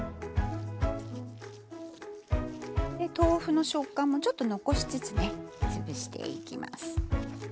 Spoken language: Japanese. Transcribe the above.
で豆腐の食感もちょっと残しつつね潰していきます。